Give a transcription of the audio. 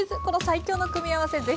この最強の組み合わせ